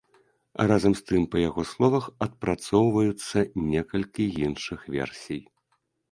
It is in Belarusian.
Разам з тым, па яго словах, адпрацоўваюцца некалькі іншых версій.